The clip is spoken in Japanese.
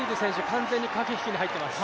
完全に駆け引きに入ってます。